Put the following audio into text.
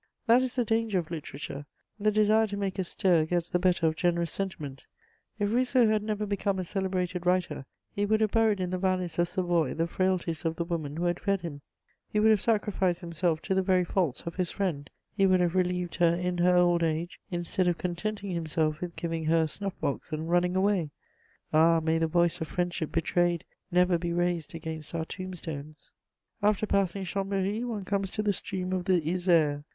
That is the danger of literature: the desire to make a stir gets the better of generous sentiment; if Rousseau had never become a celebrated writer, he would have buried in the valleys of Savoy the frailties of the woman who had fed him; he would have sacrificed himself to the very faults of his friend; he would have relieved her in her old age, instead of contenting himself with giving her a snuff box and running away. Ah, may the voice of friendship betrayed never be raised against our tombstones! After passing Chambéry, one comes to the stream of the Isère.